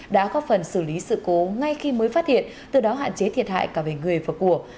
đã có phần xử lý sự cố ngay khi mới phát hiện từ đó hạn chế thiệt hại cả về người và của